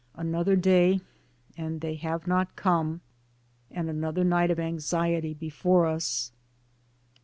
Another day and they have not come, and another night of anxiety before us.